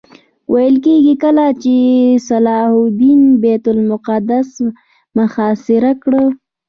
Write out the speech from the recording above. ویل کېږي کله چې صلاح الدین بیت المقدس محاصره کړ.